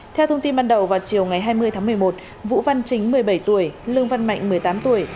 theo thông tin ban đầu vào chiều ngày hai mươi tháng một mươi một vũ văn chính một mươi bảy tuổi lương văn mạnh một mươi tám tuổi